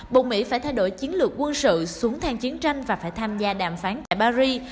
buộc mỹ phải thay đổi chiến lược quân sự xuống thang chiến tranh và phải tham gia đàm phán tại paris